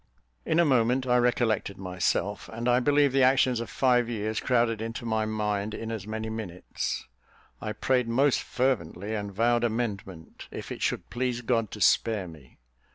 In a moment I recollected myself: and I believe the actions of five years crowded into my mind in as many minutes. I prayed most fervently, and vowed amendment, if it should please God to spare me.